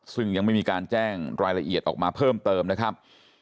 ซึ่งยังไม่มีการแจ้งรายละเอียดออกมาเพิ่มเติมนะครับ